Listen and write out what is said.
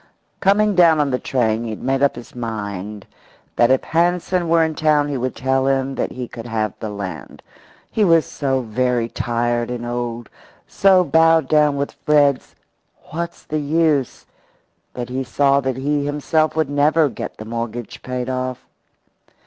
Coming down on the train he had made up his mind that if Hansen were in town he would tell him that he could have the land. He felt so very tired and old, so bowed down with Fred's "What's the use?" that he saw that he himself would never get the mortgage paid off.